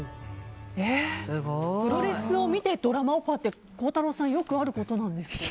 プロレスを見てドラマオファーって孝太郎さんよくあることなんですか？